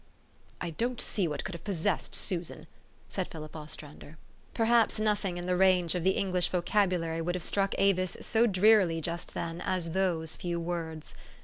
" I don't see what could have possessed Susan," said Philip Ostrander. Perhaps nothing in the range of the English vocabulary would have struck Avis so drearily just then as those few words.